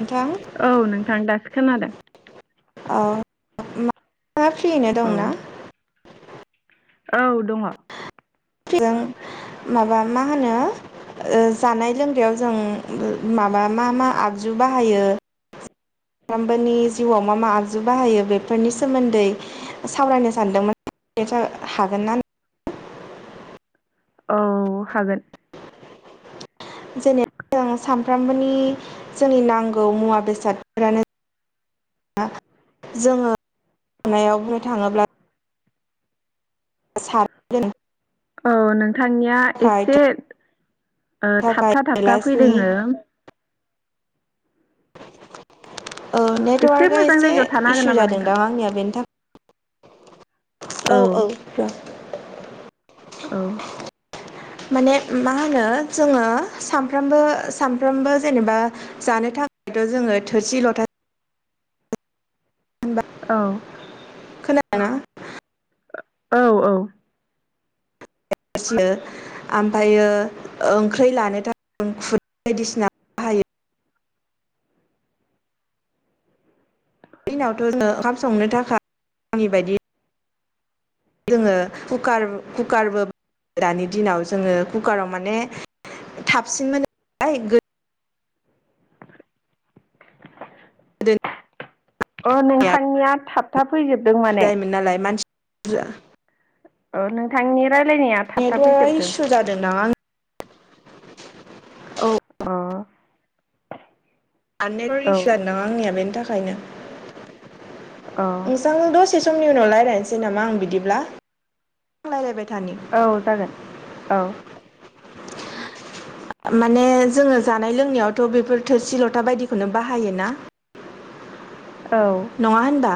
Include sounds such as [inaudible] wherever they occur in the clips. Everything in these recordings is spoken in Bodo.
नोंथां औ नोंथां दासो खोनादों [unintelligible] फ्रियैनो औ दंना? औ दङ जों माबा मा होनो ओ जानाय लोंनायाव जों माबा मा मा आगजु बाहायो [inaudible] सानफ्रामबोनि जिउआव मा मा आगजु बाहायो बेफोरनि सोमोन्दै सावरायनो सानदोंमोन [unintelligible] हागोन ना औ हागोन जेनेबा जों साम फ्रामबोनि जोंनि नांगौ मुवा बेसादफोरानो जोंङो नायाव बुंनो थाङोब्ला सारगोन औ नों थांनिया एसे थाखाय थाबथा थाबथा गिलासनि फैदोङो औ नेटवार्कआ मोजां एसे जायगायाव थानो हागोन इसु नामा नोंथां जादोंदां आंनिया बेनि था औ - औ औ माने मा होनो जोङो सामफ्रामबो सानफ्रोमबो जेनेबा जानो था थो जोङो थोरसि लथा होनबा औ खोनादोंना औ - औ [unintelligible] ओमफ्रायो ओंख्रै लानो थाखाय खु बायदिसिना हायो बेनि उनावथ' ओंखाम संनो थाखाय आंनि बायदि जोङो कुकार कुकारबो दानि दिनाव जोङो कुकाराव माने थाबसिन मोनो नालाय गो [unintelligible] अ नोंथांनिया थाबथा फैजोबदों माने जा औ नोंथांनि रायलायनाया थाब था नेटवार्क फैजोबदों इसु जादों दां आं औ अ [unintelligible] औ दसे समनि अ उनाव रायज्लायनोसै नामा आं बिदिब्लां रायज्लायबाय थानि औ जागोन औ माने जोङो जानाय लोंनायावथ' बेफोर थोरसि लथा बायदिखौनो बाहायोना औ नङा होनबा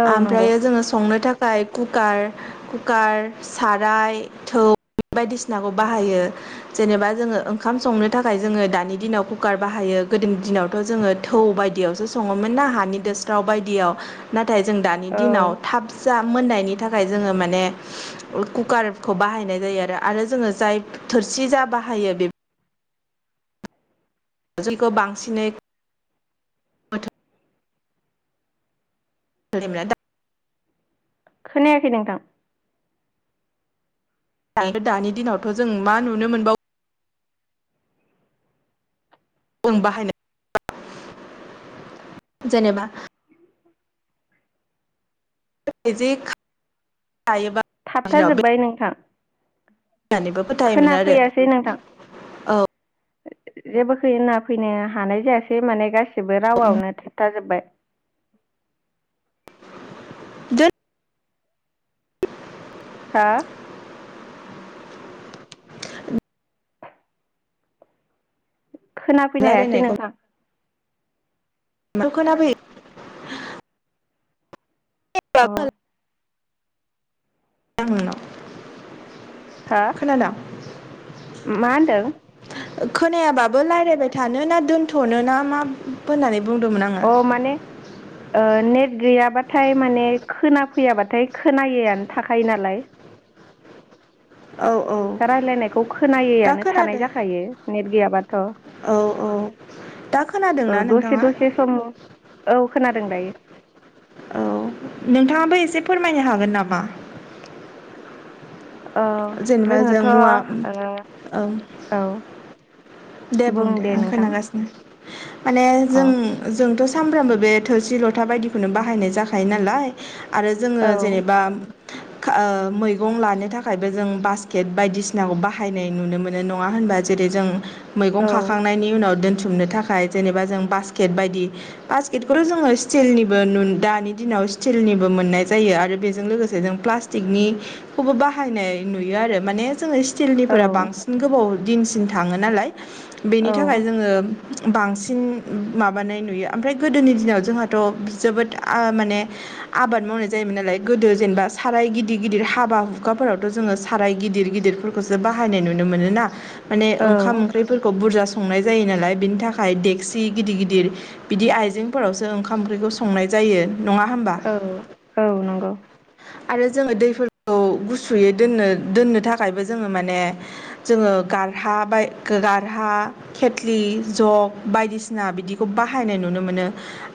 औ नंगौ ओमफ्रायो जोङो संनो था फाय कुकार साराय थौ बायदिसिनाखौ बाहायो जेनेबा जोङो ओंखाम संनो थाखाय जोङो दानि दिनाव कुकार बाहायो गोदो दिनावथ' जोङो थौ बायदियावसो सङोमोन ना हानि दोस्राव बायदियाव थाय जों दानि औ दिनाव थाब जा मोननायनि थाखाय जोङो माने कुकारखौ बाहायनाय जायो आरो आरो जोङो जाय थोरसि जा बाहायो बे [unintelligible] बांसिनै [unintelligible] [unintelligible] खोनायाखै नोंथां दानि दिनावथ' जों मा नुनो मोनबावो उन बाहायनो जेनेबा [inaudible] [unintelligible] दिनाव बे थाबथाजोबबाय नोंथां होननानैबो फोथायोमोन आरो औ जेबोखैना फैनो हानाय जायासै माने गासिबो रावआवनो थाबथा जोबबाय [unintelligible] हा खोनाफैनो हायासै नोंथां खोनाफै [unintelligible] अ हा [unintelligible] खोनादों मा होनदों खोनायाबाबो रायलायबाय थानो ना दोनथ'नो ना मा होननानै बुंदोंमोन आङो अ माने नेट गैयाबाथाय माने खोना फैयाबाथाय खोनायैआनो थाखायो नालाय औ औ रायलायनायखौ दा खोनायैआनो थानाय खोनादों जाखायो नेट गैयाब्ला थ औ औ दा औ खोनादोंना दसे नोंथाङा दसे समा औ खोनादों दायो औ नोंथाङाबो एसे फोरमायनो हागोन नामा औ जेनेबा जों जोङोथ' मुवा ओ औ दे बुं बुंदो आं नोंथां खोनागासिनो माने अ जों जोंथ' सामफ्रामबो बे थोरसि लथा बायदिखौनो बाहायनाय जाखायो नालाय आरो जोङो औ जेनेबा मैगं लानो थाखायबो जों बास्केट बायदिसिनाखौ बाहायनाय नुनो मोनो नङा होन बा जेरै जों मैं औ खाखांनायनि उनाव बुथुमनो थाखाय जेनेबा जों बासकेट बायदि बास्केटखौथ' जोङो स्टिलनिबो दानि दिनाव स्टिलनिबो मोननाय जायो आरो बेजों लोगोसे जों प्लास्टिकनिखौबो बाहायनाय नुयो आरो माने जोंङो औ स्टिलनिफोरा बांसिन गोबाव दिनसिन थाङो नालाय बेनि औ थाखाय जोङो बांसिन माबानाय नुयो ओमफ्राय गोदोनि दिनाव जोंहाथ' जोबोद माने आबाद मावनाय जायोमोन नालाय गोदो जेनेबा साराय गिदिर गिदिर हाबा हुखाफोरावथ' जोङो साराय गिदिर गिदर गदिरफोरखौसो बाहायनाय नुनो मोन ना मान ओंख औ बुरजा संनाय जायो नालाय बेनि थाखाय डेक्सि गिदिर गिदिर बिदि आइजेंफोरावसो ओंखाम ओंख्रि बेखौ संनाय जायो नङा होमबा औ औ नंगौ आरो जोङो दैफोरखौ खौ गुसुयै दोन दोननो थाखायबो जोङो माने जोङो गारहा बाय गारहा खेथ्लि जग बायदिसिना बिदिखौ बाहायनाय नुनो मोनो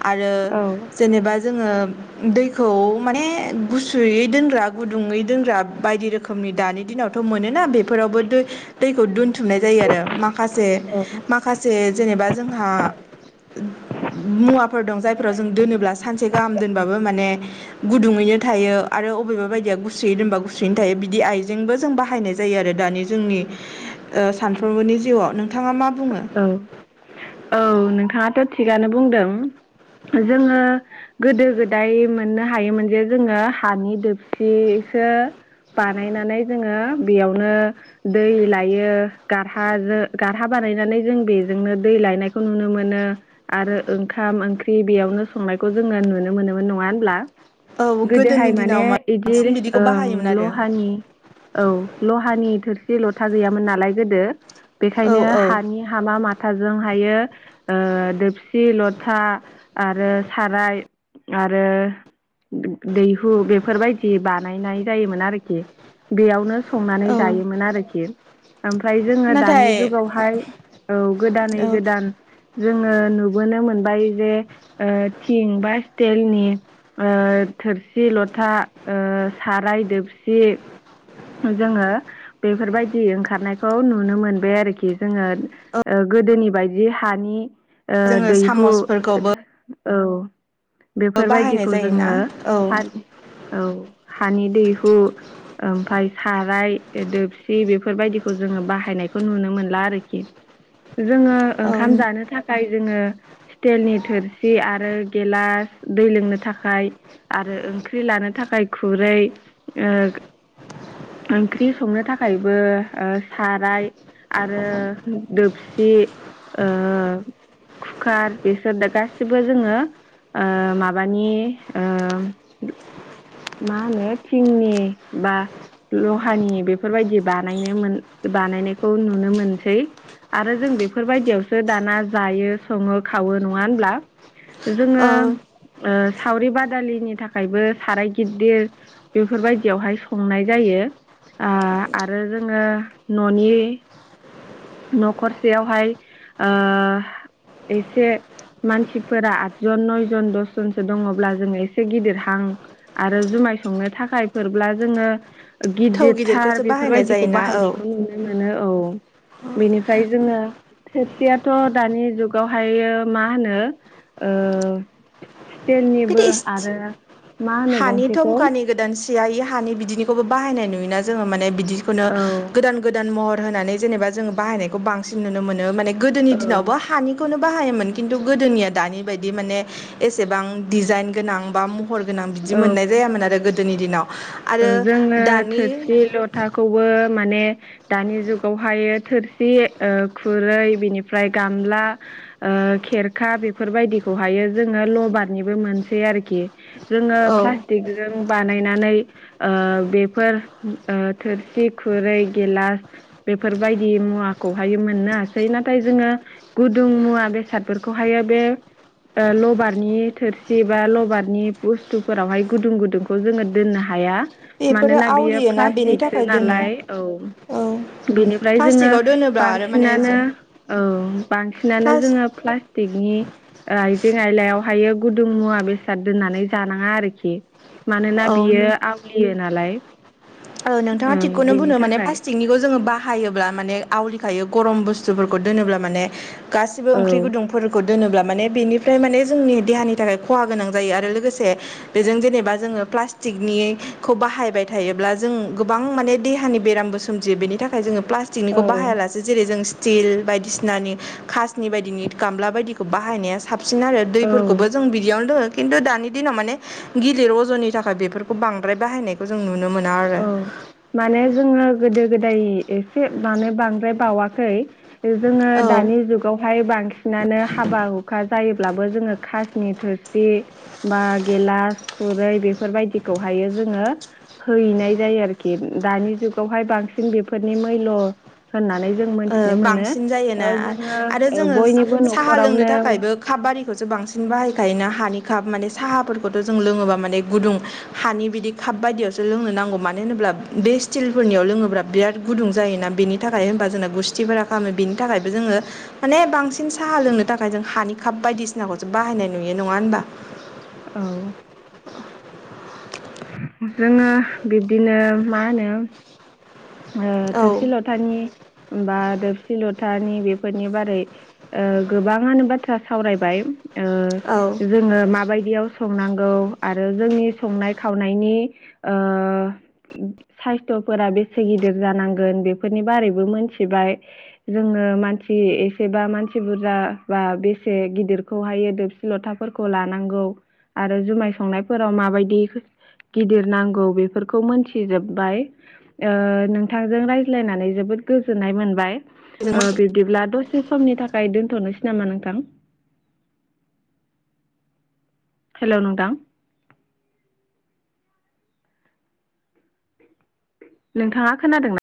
आरो औ जेनेबा जोङो दैखौ माने गुसुयै दोनग्रा गुदुङै दोनग्रा बायदि रोखोमनि दानि दिनावथ' मोनोना बेफोरावबोखौ दोनथुमनाय जायो आरोसे औ माखासे जेनेबा जोंहा मुवाफोर दं जायफोराव जों दोनोब्ला सानसे गाहाम दोनबाबो माने गुदुङै थायो आरो अबेबा बायदिया गुसु गुसुयै दोनबा गुसुयैनो थायो बिदि आइजेंबो जों बाहायनाय जायो आरो दानि जोंनि सानफ्रोमबोनि जिउआव नोंथां औ औ नोंथाङाथ' थिगआानो बुंदों जोङो गोदो गोदाय मोननो हायोमोन जे जोङो हानि दोबसि सो बानायनानै जोङो बेयावनो दै लायो गारहाजों गार हा बानायनानै जों बेजोंनो दै लायनायखौ नुनो मोन आरो ओंखाम ओंख्रै बेयावनो संनायखौ जोङो नुनो मोनोमोन नङा होनब्ला औ गोदोनि गोदोहाय माने दिनाव मा इदिर बांसिन बिदिखौ ओं बाहायोमोन आरो लहानि औ लहानि थोरसि लथा खोथा गैयामोन नालाय गोदो औ बेखायनो औ हानि हामा माथा थाजों हायो दोबसि लथा आरो साराय आरो दैहु बेफोरबायदि बानायनाय जायोमोन आरोखि बेयावनो संनानै औ जायोमोन आरोखि ओमफ्राय जोंङो नाथाय दानि हाय औ गोदानै औ गोदान जोङो नुबोनो मोनबाय जे थिं बा स्टिलनि थोरसि लथा साराय दोबसि जोङो बेफोरबायदि ओंखारनायखौ नुनो मोनबाय आरोखि जोङो ओ गोदोनि बायदि हानि ओ जोङो दैहु सामसफोरखौबो औ बाहायनाय बेफोरबायदिखौ जायोना जोङो औ थार औ हानि दैहु ओम फ्राय साराय दोबसि बेफोरबायदिखौ जोङो बाहायनायखौ नुनो मोनला आरोखि [inaudible] जोङो औ ओंखाम जानो थाखाय जोङो स्टिलनि थोरसि आरो गेलास दै लोंनो थाखाय आरो ओंख्रि ला नो थाखाय खुरै ओ [inaudible] ओंख्रि संनो थाखायबो ओ साराय आरो दोबसि ओ कुकार बिसोर दा गासिबो जोङो ओ माबानि ओ मा होनो थिंनि बा लहानि बेफोरबायदि बानायनो मोन बानायनायखौ नुनो मोनसै आरो जों बेफोरबायदियावसो दाना जायो सङो खावो नङा होमब्ला जोङो औ ओ सावरि बादालिनि थाखायबो साराय गिददिर बेफोरबायदियावहाय संनाय जायो आ आरो जोङो न'नि न'खरसेयावहाय ओ एसे मानसिफोरा आदजन नयजन दसजनसो दङब्ला जोङो एसे गिदिर हां आरो जुमा माय संनो थाखाय फोरब्ला जोङो थौ गिदिरथार गिदिरखौसो बाहायनाय बेफोरबायदिखौ जायोना औ बाहायनायखौ नुनो मोनो औ बेनिफ्राय जोङो थोरसियाथ' दानि जुगावहायो मा होनो ओ बिदि स्टिलनिबो इस आरो मा होनो हानि गंसेखौ थमकानि गोदान सियायि हानि बिदिनिखौबो बाहायनाय नुयोना जोङो माने बिदि दिखौनो औ गोदान गोदान महर होनानै जेनेबा जों बाहायनायखौ बांसिन नुनो मोनो माने गोदोनि दिनावबो औ हानिखौनो बाहायोमोन खिन्थु गोदोनिया दानि बायदि माने एसेबां दिजायेन गोनां बा महर गोन बिदि मोननाय औ जायामोन आरो गोदोनि दिनाव ओ आरो जोंनो दानि थोरसि लथाखौबो बो माने दानि जुगावहायो थोरसि ओ खुरै बेनिफ्राय गामला ओ खेरखा बेफोरबायदिखौहायो जोङो लबारनिबो मोनसै आरोखि जोङो औ प्लास्टिकजों बानायनानै ओ बेफोर थोरसि खुरै गिलास बेफोरबायदि मुवाखौहायो मोननो हासै नाथाय जोङो गुदुं मुवा बेसादफोरखौहायो बे ओ लबारनि थोरसि बा लबारनि बुस्थुफोरावहाय गुदुं गुदुंखौ जोङो दोननो हा हाया बेफोरो मानोना बियो आवलियोना बेनि प्लास्टिकसो थाखाय दोनो नालाय औ औ बेनिफ्राय जोङो प्लास्टिकआव दोनोब्ला आरो माने बांसिनानो जों औ बांसिनानो प्लास जोङो प्लास थिकनि ओ आइजें आयलायावहायो गुदुं मुवा बेसाद दोननानै जानाङा आरोखि मानोना औ बियो यो नालाय औ नोंथाङा ओ थिगखौनो बिनि बुंदों माने थाखाय प्लास्टिकनिखौ जोङो बा हायोब्ला माने आवलि खायो गरम बुस्थुफोरखौ दोनोब्ला माने गासिबो औ ओंख्रि गुदुंफोरखौ दोनोब्ला माने बेनिफ्राय माने जोंनि देहानि थाखाय खहा गोनां जायो आरो लोगोसे बेजों जेनेबा जोङो प्लास्टिकनिखौ बाहायबाय थायोब्ला जों गोबां माने देहानि बेरामबो सोमजियो बेनि थाखाय जोङो प्लास्टिकनिखौ औ बाहायालासे जेरै जों स्टिल बायदिसिनानि खासनि बायदिनि गामला बायदिखौ बाहायनाया साबसिन आरो औ दैफोरखौबो जों बिदियावनो खिन्थु दानि दिनाव माने गिलिर अज'नि थाखाय बेफोरखौ बांद्राय बाहायनायखौ जों नुनो मोनो औ माने जोंङो गोदो गोदाय एसे माने बांद्राय बावाखै जोंङो औ ओ दानि जुगावहाय बांसिनानो हाबा हुखा जायोब्लाबो जोंङो खनि थोरसि बा गेलास खुरै बेफोरबायदिखौहाय जोंयो हैनाय जायो आरोखि दानि जुगावहाय बांसिन बेफोरनि मैल' होननानै जों मोनथिनो मोनो बांसिन ओ जायोना आरो जोङो जोंङो बयनिबो साहा लोंनो न'खरावनो थाखायबो काप आरिखौसो बांसिन बांसिन बाहाय ओंखायनो हानि काप माने साहाफोरखौथ' जों लोङोबा माने गुदुं हानि बिदि काप बायदियावसो लोंनो नांगौ मानो होनोब्ला बे स्टिलफोरनियाव लोंङोब्ला बिराद गुदुं जायोना बेनि थाखाय होनबा जोंनोब गुस्थिफोरा खालामो बिनि थाखायबो जोंङो माने बांसिन साहा लोंनो थाखाय जों हानि काप बायदिसिनाखौ जों बाहायनाय नुयो नंङा होनबा औ जोंङो बिब्दिनो मा होनो औ थोरसि लथानि बा गादबसिलथानि बेफोरनि बारै गोबांङानो बाथ्रा सावरायबाय जोंङो माबायदियाव संनांगौ आरो जोंनि संनाय खावनायनि फोरा से गिदिर जानांगोन बेफोरनि बारैबो मोनथिबाय जोंङो मानसि एसेबा मानसि मानसि बुरजा बा बेसे गिदिरखौहायो दोबसि लथाफोरखौ लानांगौ आरो जुमाय संनायफोराव माबायदि गिदिर नांगौ बेफोरखौ मोनथिजोबबाय नोंथांजों रायज्लायनानै जोबोद गोजोननाय मोनबाय औ बिब्दिब्ला दसे समनि थाखाय दोनथ'नोसै नामा नोंथां हेलौ ' नोंथां नोंथांङा खोनादोंना